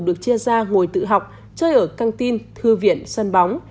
được chia ra ngồi tự học chơi ở căng tin thư viện sân bóng